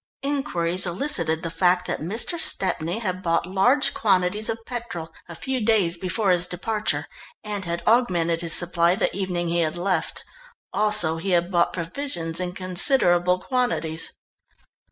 Inquiries elicited the fact that Mr. Stepney had bought large quantities of petrol a few days before his departure, and had augmented his supply the evening he had left. Also he had bought provisions in considerable quantities.